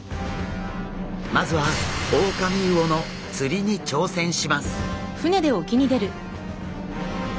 まずはオオカミウオの釣りに挑戦します。